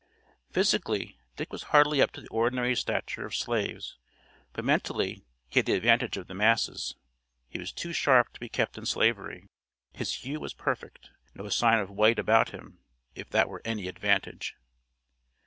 Physically, Dick was hardly up to the ordinary stature of slaves, but mentally he had the advantage of the masses; he was too sharp to be kept in Slavery. His hue was perfect, no sign of white about him, if that were any advantage.